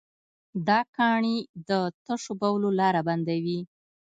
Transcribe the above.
دا کاڼي د تشو بولو لاره بندوي.